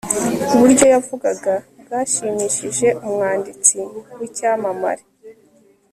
uburyo yavugaga bwashimishije umwanditsi w'icyamamare